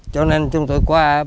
cho nên chúng tôi qua